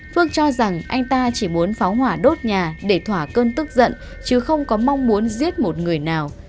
phương cho rằng anh ta chỉ muốn phá hỏa đốt nhà để thỏa cơn tức giận chứ không có mong muốn giết một người nào